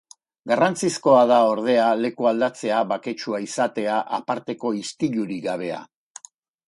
Garrantzizkoa da, ordea, leku aldatzea baketsua izatea, aparteko istilurik gabea.